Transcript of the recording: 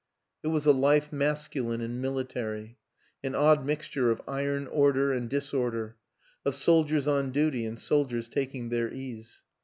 It was a life masculine and military; an odd mixture of iron order and disorder; of soldiers on duty and soldiers taking their ease.